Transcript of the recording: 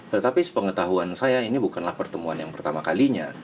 tetapi sepengetahuan saya ini bukanlah pertemuan yang pertama kalinya